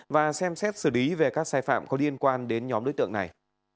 và xem xét xử lý về các sai phạm có liên quan đến nhóm đối tượng này